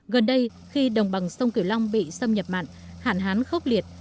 gần đây khi đồng bằng sông cửu long bị xâm nhập mặn hạn hán khốc liệt